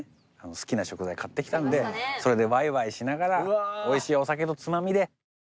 好きな食材買ってきたのでそれでワイワイしながら美味しいお酒のつまみで。